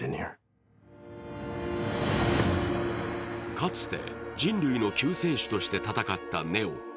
かつて人類の救世主として戦ったネオ。